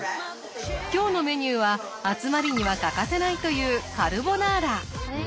今日のメニューは集まりには欠かせないというカルボナーラ。